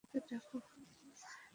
আরবের রীতি, হত্যার বদলে হত্যা।